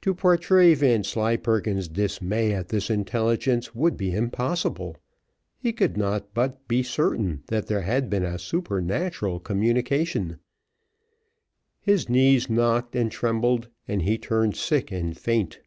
To portray Vanslyperken's dismay at this intelligence would be impossible. He could not but be certain that there had been a supernatural communication. His knees knocked and trembled, and he turned sick and faint.